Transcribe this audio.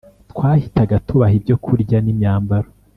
Twahitaga tubaha ibyokurya n imyambaro